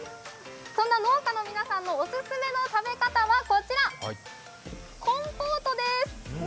そんな農家の皆さんのオススメの食べ方はこちら、コンポートです！